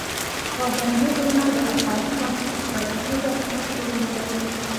پابندی غرونه د افغانستان په ستراتیژیک اهمیت کې رول لري.